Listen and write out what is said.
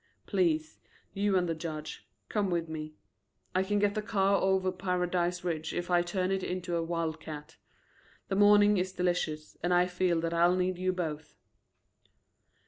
Please, you and the Judge, come with me. I can get the car over Paradise Ridge if I turn it into a wildcat. The morning is delicious, and I feel that I'll need you both."